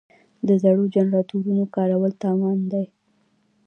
د زړو جنراتورونو کارول تاوان دی.